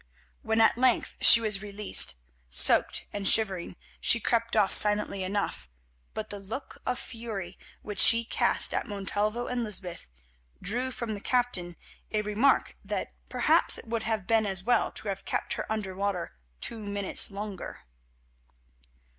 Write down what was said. When at length she was released, soaked and shivering, she crept off silently enough, but the look of fury which she cast at Montalvo and Lysbeth drew from the captain a remark that perhaps it would have been as well to have kept her under water two minutes longer.